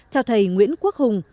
theo thầy nguyễn quốc hùng